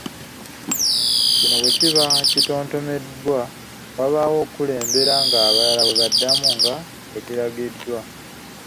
Kino bwe kiba kitontomebwa, wabaawo akulembera ng’abalala bwe baddaamu nga bwe kiragiddwa.